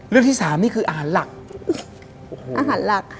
เรื่องที่สามนี่คืออาหารหลักอาหารหลัก